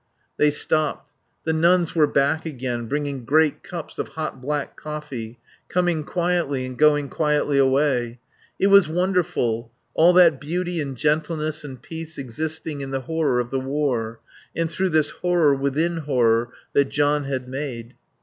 They stopped. The nuns were back again, bringing great cups of hot black coffee, coming quietly, and going quietly away. It was wonderful, all that beauty and gentleness and peace existing in the horror of the war, and through this horror within horror that John had made.